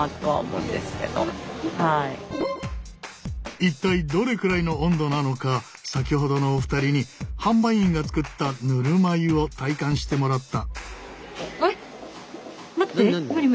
一体どれくらいの温度なのか先ほどのお二人に販売員が作ったぬるま湯を体感してもらった。